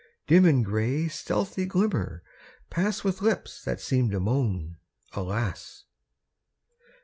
Dim in gray, stealthy glimmer, pass With lips that seem to moan "Alas."